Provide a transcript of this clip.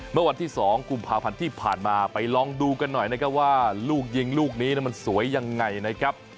เมื่อวันที่๒กุมภาพันธ์ที่ผ่านมาไปลองดูกันหน่อยนะครับว่าลูกยิงลูกนี้มันสวยยังไงนะครับ